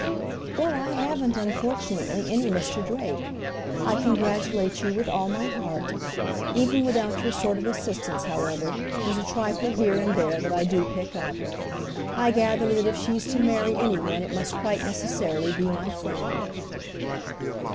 "Well, I haven't unfortunately any Mr. Drake. I congratulate you with all my heart. Even without your sort of assistance, however, there's a trifle here and there that I do pick up. I gather that if she's to marry any one it must quite necessarily be my friend."